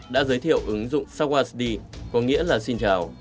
đã giới thiệu ứng dụng sothwardy có nghĩa là xin chào